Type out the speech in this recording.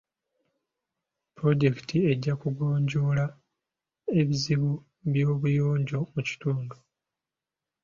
Pulojekiti ejja kugonjoola ebizibu by'obuyonjo mu kitundu.